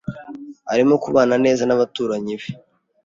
Arimo kubana neza n’abaturanyi be.